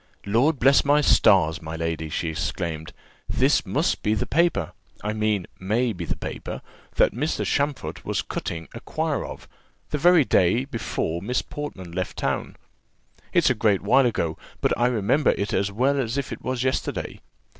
"Lord bless my stars! my lady," she exclaimed, "this must be the paper I mean may be the paper that Mr. Champfort was cutting a quire of, the very day before Miss Portman left town. It's a great while ago, but I remember it as well as if it was yesterday.